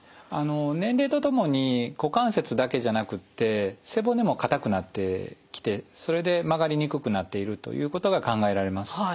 年齢とともに股関節だけじゃなくて背骨も硬くなってきてそれで曲がりにくくなっているということが考えられます。